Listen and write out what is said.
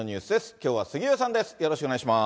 きょうは杉上さんです。